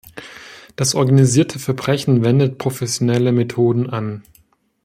Das organisierte Verbrechen wendet professionelle Methoden an.